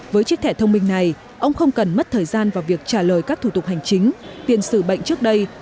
với chiếc thẻ thông minh này ông không cần mất thời gian vào việc trả lời các thủ tục hành chính tiền xử bệnh trước đây